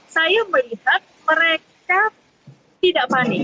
saya melihat mereka tidak panik